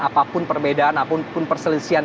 apapun perbedaan apapun perselesian